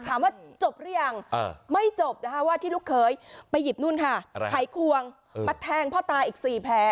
ถามว่าจบหรือยังไม่จบนะคะว่าที่ลูกเคยไปหยิบนู่นค่ะไขควงมาแทงพ่อตาอีก๔แผล